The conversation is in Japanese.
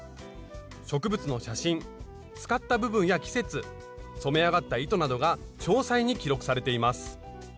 植物の写真使った部分や季節染め上がった糸などが詳細に記録されています。